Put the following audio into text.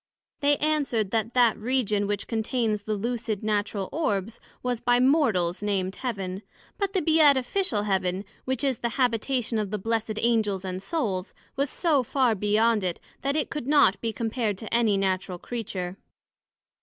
They answered, That that Region which contains the Lucid natural Orbs, was by Mortals named Heaven; but the Beatifical Heaven, which is the Habitation of the Blessed Angels and Souls, was so far beyond it, that it could not be compared to any Natural Creature.